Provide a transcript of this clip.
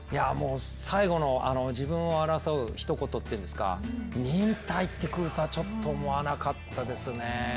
最後の自分を表すひと言っていうんですか、忍耐ってくるとはちょっと思わなかったですね。